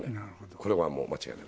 これはもう間違いない。